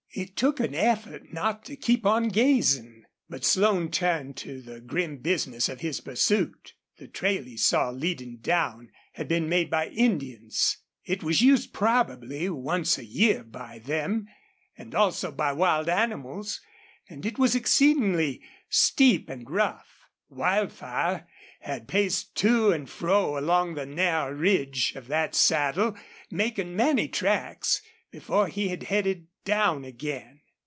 It took an effort not to keep on gazing. But Slone turned to the grim business of his pursuit. The trail he saw leading down had been made by Indians. It was used probably once a year by them; and also by wild animals, and it was exceedingly steep and rough. Wildfire had paced to and fro along the narrow ridge of that saddle, making many tracks, before he had headed down again.